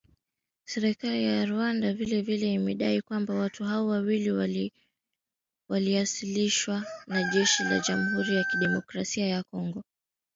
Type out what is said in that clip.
Serikali ya Rwanda vile vile imedai kwamba watu hao wawili waliasilishwa na jeshi la Jamuhuri ya Demokrasia ya Kongo kwa waandishi wa habari